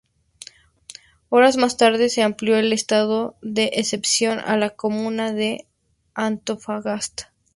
Horas más tarde se amplió el estado de excepción a la comuna de Antofagasta.